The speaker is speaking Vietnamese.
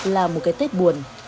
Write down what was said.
là một cái tết buồn